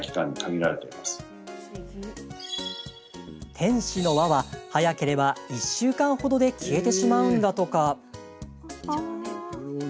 天使の輪は早ければ１週間ほどで消えてしまうんだとか。